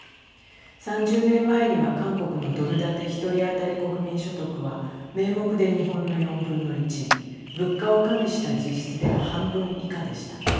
３０年前には韓国のドル建て１人当たり国民所得は名目で日本の４分の１物価を加味した実質でも半分以下でした。